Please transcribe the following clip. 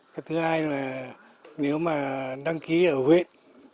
cái thứ hai là nếu mà đăng ký ở huyện